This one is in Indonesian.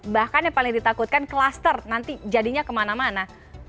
bahkan yang paling ditakutkan kluster nanti jadinya kemana mana